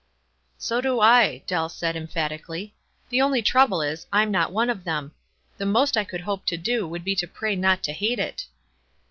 "So do I," Dell said, emphatically. "The only trouble is, I'm not one of them, — the most I could hope to do would be to pray not to hate it."